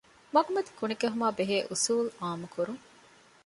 މަގުމަތި ކުނިކެހުމާއި ބެހޭ އުޞޫލު ޢާއްމުކުރުން.